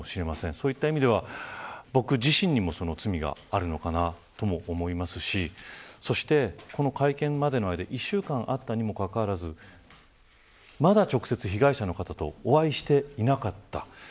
そういった意味では、僕自身にも罪があるのかなと思いますしそして、この会見までの間１週間あったにもかかわらずまだ直接、被害者の方とお会いしていなかった。